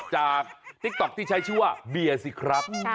ติ๊กต๊อกที่ใช้ชื่อว่าเบียร์สิครับ